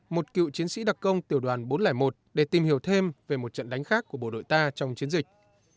một cựu chiến sĩ đặc công tiểu đoàn bốn trăm linh một để tìm hiểu thêm về một trận đánh khác của bộ đội ta trong chiến dịch